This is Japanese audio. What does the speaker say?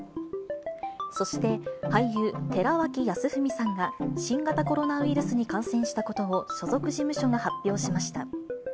そして俳優、寺脇康文さんが、新型コロナウイルスに感染したことを所属事務所が発表しました。